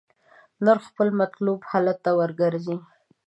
نرخ خپل مطلوب حالت ته ورګرځي.